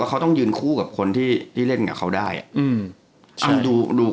นะต้องยืนคู่กับคนที่ที่เล่นกับเขาได้อ่ะมันดู